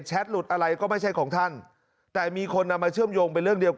หลุดอะไรก็ไม่ใช่ของท่านแต่มีคนนำมาเชื่อมโยงเป็นเรื่องเดียวกัน